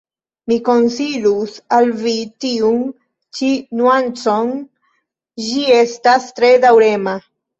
Mi konsilus al vi tiun ĉi nuancon; ĝi estas tre daŭrema.